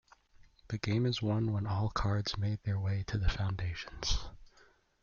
The game is won when all cards made their way to the foundations.